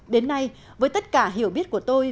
đến nay với tất cả hiểu biết của tôi